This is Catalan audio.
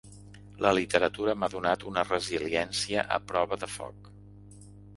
La literatura m’ha donat una resiliència a prova de foc.